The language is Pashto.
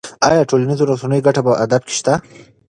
ایا د ټولنیزو رسنیو ګټه په ادب کې شته؟